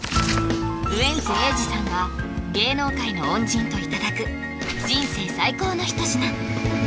ウエンツ瑛士さんが芸能界の恩人といただく人生最高の一品